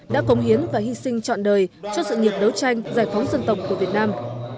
đã cống hiến và hi sinh trọn đời cho sự nhiệt đấu tranh giải phóng dân tộc của việt nam